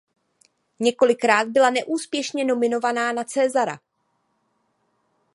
Několikrát byla neúspěšně nominována na Césara.